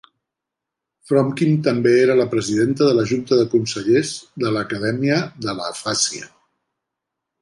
Fromkin també era la presidenta de la junta de consellers de l'Acadèmia de l'Afàsia.